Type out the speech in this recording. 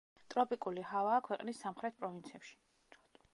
ტროპიკული ჰავაა ქვეყნის სამხრეთ პროვინციებში.